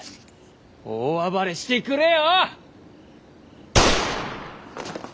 大暴れしてくれよ！